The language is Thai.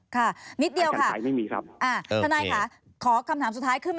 ค่ะนิดเดียวค่ะค่ะธนายค่ะขอคำถามสุดท้ายคือโอเค